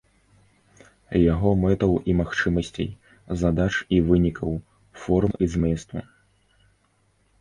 Яго мэтаў і магчымасцей, задач і вынікаў, форм і зместу.